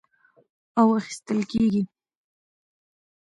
او اخىستل کېږي،